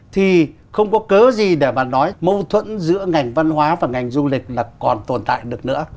thì không có cớ gì để mà nói mâu thuẫn giữa ngành văn hóa và ngành du lịch là còn tồn tại được nữa